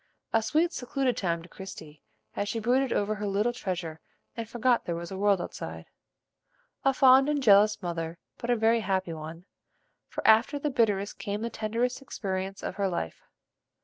A sweet, secluded time to Christie, as she brooded over her little treasure and forgot there was a world outside. A fond and jealous mother, but a very happy one, for after the bitterest came the tenderest experience of her life.